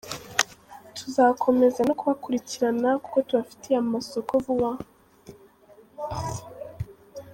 Tuzakomeza no kubakurikirana kuko tubafitiye amasoko vuba aha.